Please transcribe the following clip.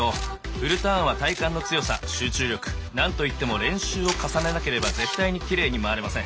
フルターンは体幹の強さ集中力何といっても練習を重ねなければ絶対にきれいに回れません。